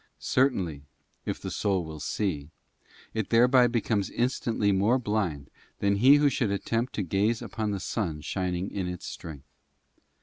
Certainly, if the soul will see, it thereby becomes instantly more blind than he who should attempt to gaze upon the sun shining in its strength.